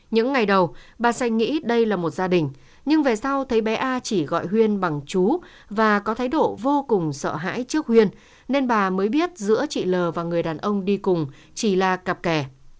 những ngày đầu bà xanh nghĩ đây là một gia đình nhưng về sau thấy bé a chỉ gọi huyên bằng chú và có thái độ vô cùng sợ hãi trước huyên nên bà mới biết giữa chị l và người đàn ông đi cùng chỉ là cặp kè